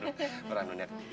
eh perang dunia ketiga